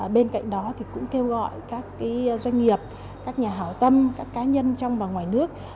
bên cạnh đó thì cũng kêu gọi các doanh nghiệp các nhà hảo tâm các cá nhân trong và ngoài nước